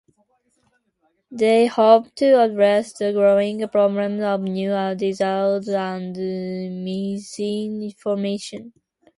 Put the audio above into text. They hope to address the growing problems of news deserts and misinformation.